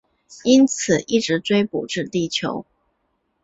因此一直追捕至地球。